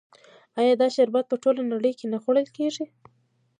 آیا دا شربت په ټوله نړۍ کې نه خوړل کیږي؟